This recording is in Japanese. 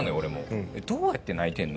どうやって泣いてんの？